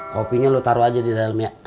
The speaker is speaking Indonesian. kopinya lu taruh aja didalem ya